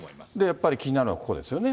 やっぱり気になるのはここですよね。